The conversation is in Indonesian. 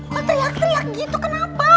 mau teriak teriak gitu kenapa